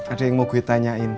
ada yang mau gue tanyain